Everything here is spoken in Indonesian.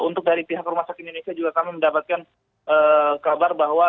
untuk dari pihak rumah sakit indonesia juga kami mendapatkan kabar bahwa